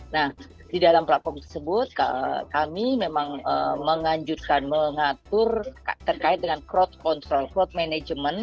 nah di dalam platform tersebut kami memang menganjurkan mengatur terkait dengan crowd control crowd management